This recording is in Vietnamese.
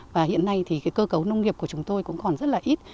và hiện nay thì cơ cấu nông nghiệp của chúng tôi cũng còn rất là ít